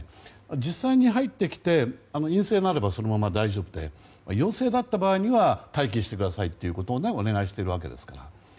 実際に入ってきて、陰性であればそのまま大丈夫で陽性だった場合には待機してくださいとお願いしているわけですから。